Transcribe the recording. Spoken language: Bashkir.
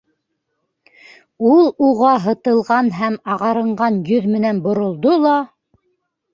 Ул уға һытылған һәм ағарынған йөҙ менән боролдо ла: